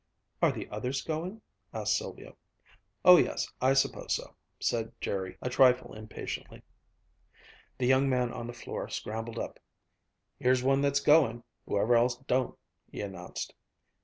"Are the others going?" asked Sylvia. "Oh yes, I suppose so," said Jerry, a trifle impatiently. The young man on the floor scrambled up. "Here's one that's going, whoever else don't," he announced.